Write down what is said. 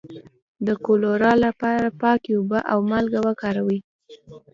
د کولرا لپاره پاکې اوبه او مالګه وکاروئ